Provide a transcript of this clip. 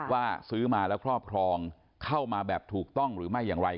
ว่าซื้อมาแล้วครอบครองเข้ามาแบบถูกต้องหรือไม่อย่างไร